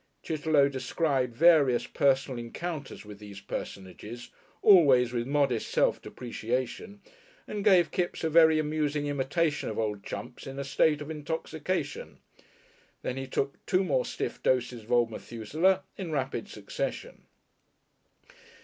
Chitterlow described various personal encounters with these personages, always with modest self depreciation, and gave Kipps a very amusing imitation of old Chumps in a state of intoxication. Then he took two more stiff doses of old Methusaleh in rapid succession.